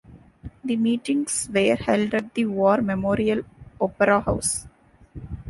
The meetings were held at the War Memorial Opera House.